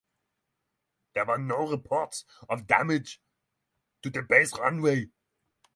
There were no reports of damage to the base runway.